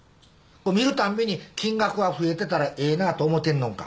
見るたんびに金額が増えてたらええなぁと思ってんのんか？